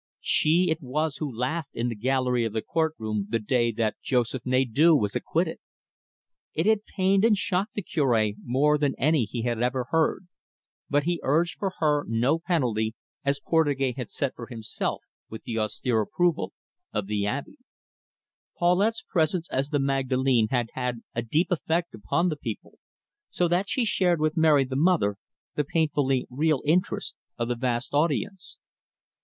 She it was who laughed in the gallery of the court room the day that Joseph Nadeau was acquitted. It had pained and shocked the Cure more than any he had ever heard, but he urged for her no penalty as Portugais had set for himself with the austere approval of the Abbe. Paulette's presence as the Magdalene had had a deep effect upon the people, so that she shared with Mary the Mother the painfully real interest of the vast audience.